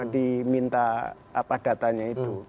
diminta datanya itu